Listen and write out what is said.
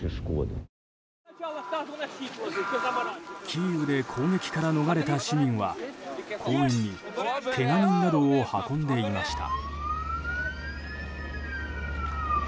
キーウで攻撃から逃れた市民は公園にけが人などを運んでいました。